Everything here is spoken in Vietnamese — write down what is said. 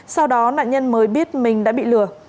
sau đó nạn nhân mới biết mình đã bị lừa